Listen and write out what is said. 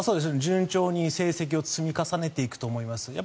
順調に成績を積み重ねていくと思います。